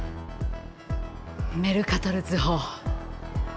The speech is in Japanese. メルカトル図法！